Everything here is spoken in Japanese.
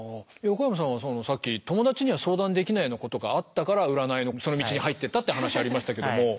横山さんはさっき友達には相談できないようなことがあったから占いのその道に入っていったって話ありましたけども。